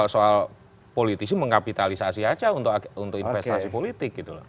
itu soal politisi mengkapitalisasi saja untuk investasi politik gitu